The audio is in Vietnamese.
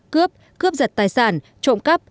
cướp cướp giật tài sản trộm cắp